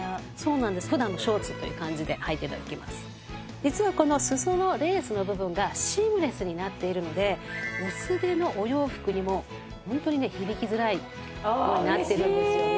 実はこの裾のレースの部分がシームレスになっているので薄手のお洋服にもホントにね響きづらいようになってるんですよね。